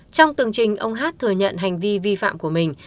trong tường trình ông h thừa nhận hành vi vi phạm của mình